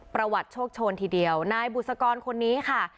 ประวัติโชคโชนทีเดียวนายบุษกรคนนี้ค่ะ